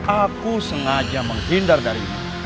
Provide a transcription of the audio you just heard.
aku sengaja menghindar darimu